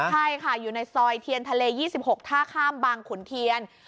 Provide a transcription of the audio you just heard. ใช่ค่ะอยู่ในซอยเทียนทะเล๒๖ท่าข้ามบางขุนเทียน